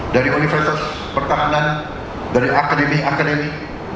dari universitas pertahanan dari akademi akademik